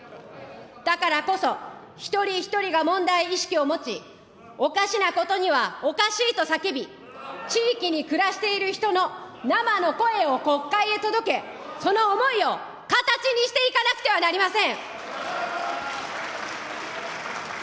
だからこそ、一人一人が問題意識を持ち、おかしなことにはおかしいと叫び、地域に暮らしている人の生の声を国会へ届け、その思いを形にしていかなくてはなりません。